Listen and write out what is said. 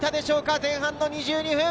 前半の２２分。